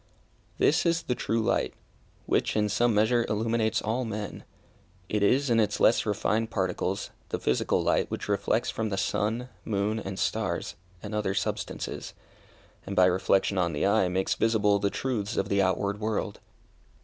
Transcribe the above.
This is the true light, which in some measure illuminates all men. It is, in its less refined particles, the physical light which reflects from the sun, moon, and stars, and other substances; and by reflection on the eye, makes visible the truths of the outward world.